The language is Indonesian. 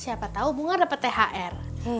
siapa tau bunga dapet thr